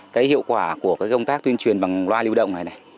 cái hiệu quả của cái công tác tuyên truyền bằng loa lưu động này này